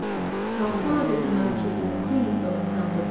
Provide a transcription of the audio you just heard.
How far this amount should be increased on account of